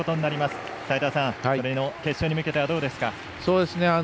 国枝の決勝に向けては、どうですか？